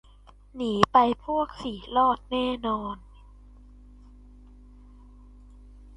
หนีไปพวก สิ รอดแน่นอน